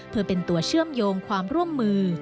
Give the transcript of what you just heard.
เพื่อเป็นตัวเชื่อมโยงความร่วมมือ